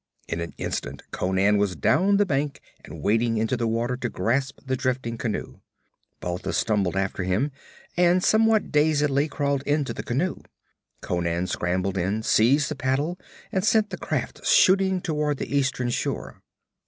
In an instant Conan was down the bank and wading into the water to grasp the drifting canoe. Balthus stumbled after him and somewhat dazedly crawled into the canoe. Conan scrambled in, seized the paddle and sent the craft shooting toward the eastern shore.